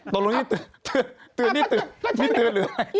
ตรงรุ่นนี่เตือนนี่เตือนหรืออะไร